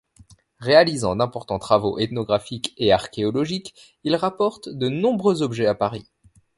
Réalisant d'importants travaux ethnographiques et archéologiques, il rapporte de nombreux objets à Paris.